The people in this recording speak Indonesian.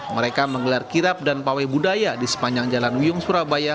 mereka menggelar kirap dan pawai budaya di sepanjang jalan wiyung surabaya